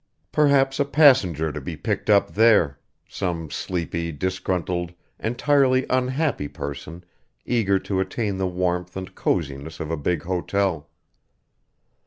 Perhaps a passenger to be picked up there some sleepy, disgruntled, entirely unhappy person eager to attain the warmth and coziness of a big hotel.